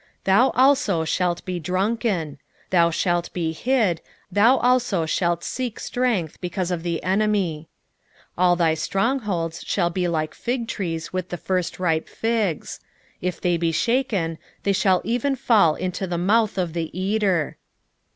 3:11 Thou also shalt be drunken: thou shalt be hid, thou also shalt seek strength because of the enemy. 3:12 All thy strong holds shall be like fig trees with the firstripe figs: if they be shaken, they shall even fall into the mouth of the eater.